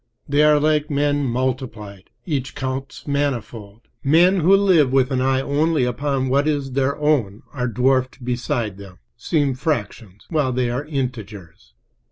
They are like men multiplied. Each counts manifold. Men who live with an eye only upon what is their own are dwarfed beside them—seem fractions while they are integers.